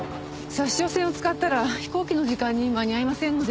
札沼線を使ったら飛行機の時間に間に合いませんので。